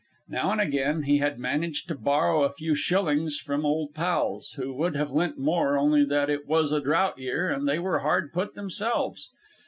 Now and again he had managed to borrow a few shillings from old pals, who would have lent more only that it was a drought year and they were hard put themselves.